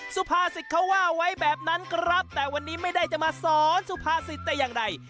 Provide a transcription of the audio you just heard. สุภาษิตเขาว่าไว้แบบนั้นครับแต่วันนี้ไม่ได้จะมาสอนสุภาษิตแต่อย่างใด